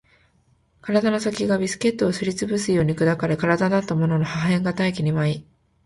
体の先がビスケットをすり潰すように砕かれ、体だったものの破片が大気に舞い